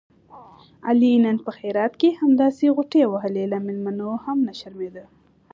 علي نن په خیرات کې همداسې غوټې وهلې، له مېلمنو هم نه شرمېدا.